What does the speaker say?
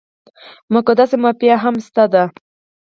مقدسه مافیا هم شته ده.